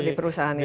di perusahaan itu